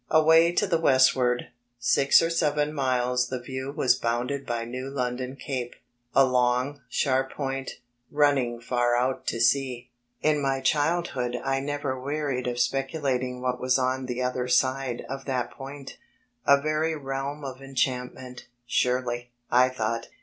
Away to the westward, six or seven miles the view was bounded by New London Cape, a long, sharp point, run ning far out to sea. In my childhood I never wearied of speculating what was on the other side of that point, a very realm of enchantment, surely, I thought.